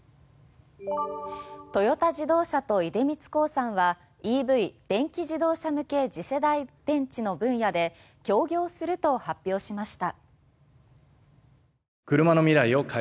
トヨタ自動車と出光興産はＥＶ・電気自動車向け次世代電池の分野で協業すると発表しました。